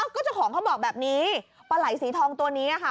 ก็เจ้าของเขาบอกแบบนี้ปลาไหล่สีทองตัวนี้ค่ะ